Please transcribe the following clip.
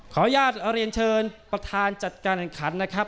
ขออนุญาตเรียนเชิญประธานจัดการแข่งขันนะครับ